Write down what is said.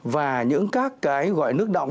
và những các cái gọi nước nọng